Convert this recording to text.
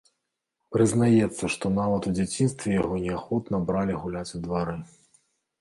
Прызнаецца, што нават у дзяцінстве яго неахвотна бралі гуляць у двары.